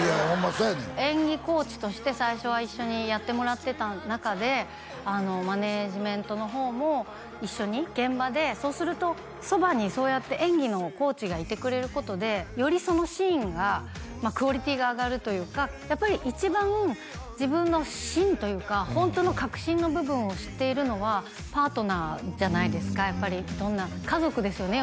そうやねん演技コーチとして最初は一緒にやってもらってた中でマネジメントの方も一緒に現場でそうするとそばにそうやって演技のコーチがいてくれることでよりそのシーンがクオリティーが上がるというかやっぱり一番自分の芯というかホントの核心の部分を知っているのはパートナーじゃないですかやっぱりどんな家族ですよね